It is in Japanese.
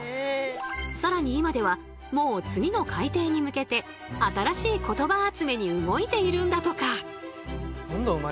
更に今ではもう次の改訂に向けて新しい言葉集めに動いているんだとか。